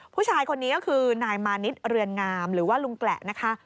ผู้ชายคนนี้ก็คือนายมานิดเรือนงามหรือว่าลุงแกละนะคะ